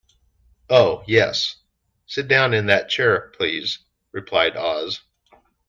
"Oh, yes; sit down in that chair, please," replied Oz.